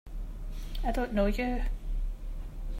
I don't know you!